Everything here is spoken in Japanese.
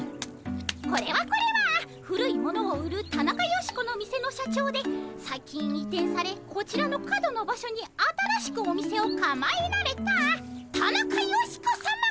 これはこれは古いものを売るタナカヨシコの店の社長で最近移転されこちらの角の場所に新しくお店をかまえられたタナカヨシコさま。